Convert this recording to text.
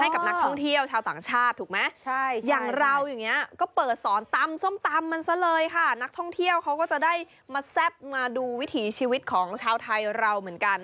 เขาก็จะได้มาแซ่บมาดูวิถีชีวิตของชาวไทยเราเหมือนกัน